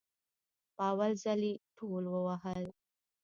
په اول ځل يي ټول ووهل